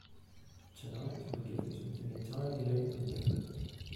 Tonight we give you something entirely new and different.